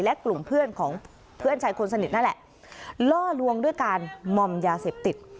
และกลุ่มเพื่อนของเพื่อนชายคนสนิทนั่นแหละล่อลวงด้วยการมอมยาเสพติด